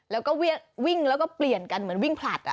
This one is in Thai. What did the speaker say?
แล้วก็วิ่งแล้วก็เปลี่ยนกันเหมือนวิ่งผลัด